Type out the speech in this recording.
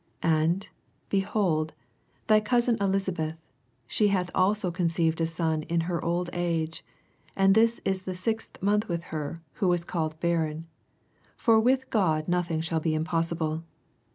86 And, behold, thy cousin Elisa beth, she hath also conceived a boq in her old ase : and this is the sJYth month with her, who was called barren. 87 For with God nothing shall be impossible.